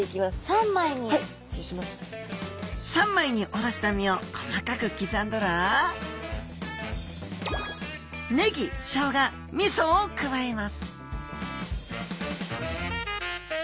三枚におろした身を細かく刻んだらネギショウガ味噌を加えます